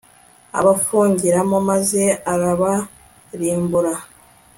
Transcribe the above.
abafungiramo maze arabarimbura